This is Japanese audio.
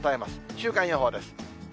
週間予報です。